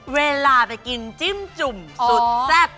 เวลาไปกินจิ้มจุ่มสุดแซ่บ